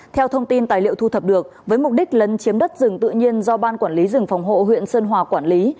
theo thông tin tài liệu thu thập được với mục đích lấn chiếm đất rừng tự nhiên do ban quản lý rừng phòng hộ huyện sơn hòa quản lý